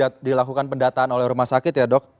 oke jadi dilakukan pendataan oleh rumah sakit ya dok